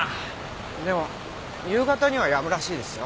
でも夕方にはやむらしいですよ。